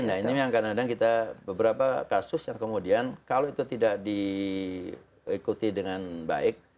nah ini yang kadang kadang kita beberapa kasus yang kemudian kalau itu tidak diikuti dengan baik